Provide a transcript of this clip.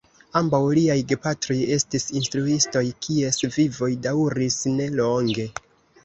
Ambaŭ liaj gepatroj estis instruistoj, kies vivoj daŭris ne longe.